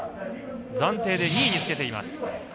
暫定で２位につけています。